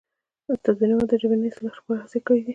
استاد بینوا د ژبني اصلاح لپاره هڅې کړی دي.